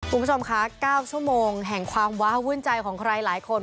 คุณผู้ชมคะ๙ชั่วโมงแห่งความว้าววุ่นใจของใครหลายคน